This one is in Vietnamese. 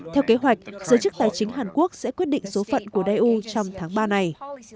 theo kế hoạch giới chức tài chính hàn quốc sẽ quyết định số phận của eu trong tháng ba này